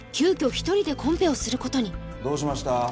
一人でコンペをすることにどうしました？